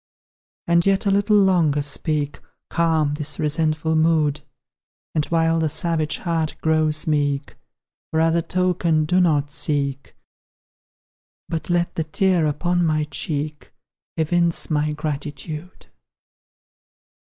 And yet a little longer speak, Calm this resentful mood; And while the savage heart grows meek, For other token do not seek, But let the tear upon my cheek Evince my gratitude!